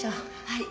はい。